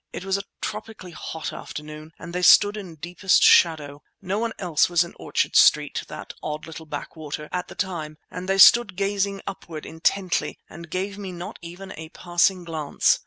It was a tropically hot afternoon and they stood in deepest shadow. No one else was in Orchard Street—that odd little backwater—at the time, and they stood gazing upward intently and gave me not even a passing glance.